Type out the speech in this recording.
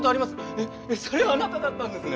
えっそれあなただったんですね。